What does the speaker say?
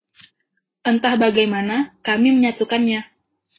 Entah bagaimana, kami menyatukannya.